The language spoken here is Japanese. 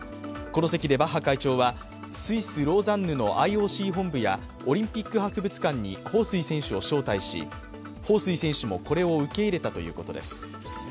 この席でバッハ会長はスイス・ローザンヌのＩＯＣ本部やオリンピック博物館に彭帥選手を招待し彭帥選手もこれを受け入れたということです。